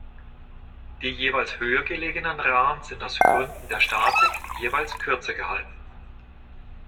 Die jeweils höher gelegenen Rahen sind aus Gründen der Statik jeweils kürzer gehalten.